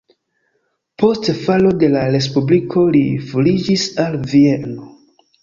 Post falo de la respubliko li rifuĝis al Vieno.